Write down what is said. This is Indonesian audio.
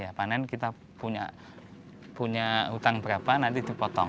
ya panen kita punya hutang berapa nanti dipotong